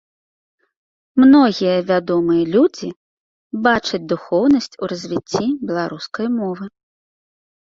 Многія вядомыя людзі бачаць духоўнасць у развіцці беларускай мовы.